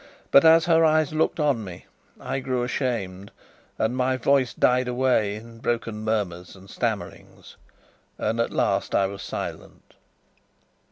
But as her eyes looked on me, I grew ashamed, and my voice died away in broken murmurs and stammerings, and at last I was silent.